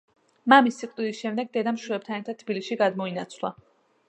მამის სიკვდილის შემდეგ დედამ შვილებთან ერთად თბილისში გადმოინაცვლა.